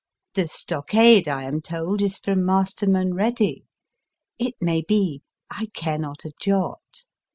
The stockade I am told, is from Masterman Ready. It may be, I care not a jot.